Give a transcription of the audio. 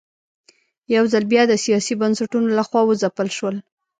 یوځل بیا د سیاسي بنسټونو له خوا وځپل شول.